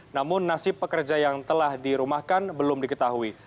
namun nasib pekerja yang telah dirumahkan belum diketahui